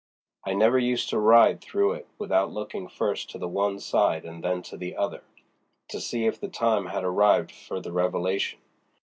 I never used to ride through it without looking first to the one side and then to the other, to see if the time had arrived for the revelation.